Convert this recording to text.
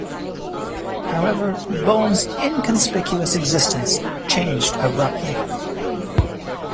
However, Böhm's inconspicuous existence changed abruptly.